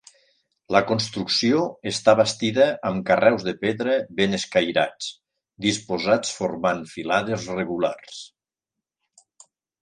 La construcció està bastida amb carreus de pedra ben escairats, disposats formant filades regulars.